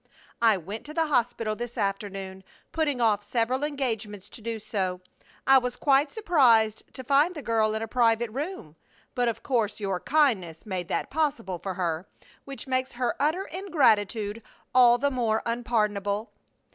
I went to the hospital this afternoon, putting off several engagements to do so. I was quite surprised to find the girl in a private room, but of course your kindness made that possible for her, which makes her utter ingratitude all the more unpardonable.